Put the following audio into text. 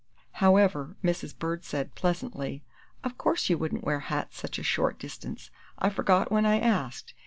However, Mrs. Bird said, pleasantly, "Of course you wouldn't wear hats such a short distance I forgot when I asked.